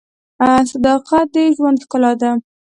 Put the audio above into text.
صداقت د ژوند ښکلا ده.